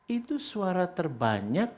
itu suara terbanyak